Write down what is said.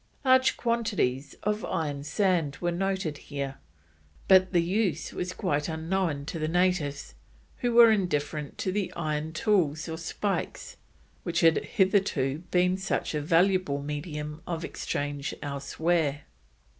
Large quantities of iron sand were noted here, but the use was quite unknown to the natives, who were indifferent to the iron tools or spikes which had hitherto been such a valuable medium of exchange elsewhere.